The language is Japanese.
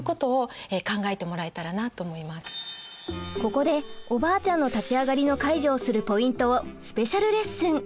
ここでおばあちゃんの立ち上がりの介助をするポイントをスペシャルレッスン！